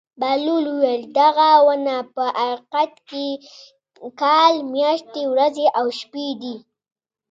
بهلول وویل: دغه ونه په حقیقت کې کال میاشتې ورځې او شپې دي.